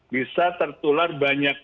bisa tertular banyak